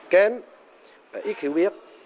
kém và ít hiểu biết